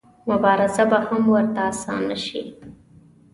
مبارزه به هم ورته اسانه شي.